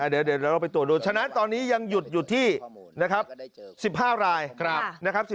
เดี๋ยวเราไปตรวจดูฉะนั้นตอนนี้ยังหยุดที่๑๕ราย